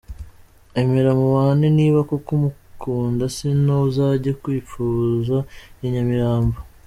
Emera mubane niba koko umukunda sinon uzajye kwipfubuza i nyamirambo….